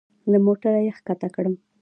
له موټره يې کښته کړم.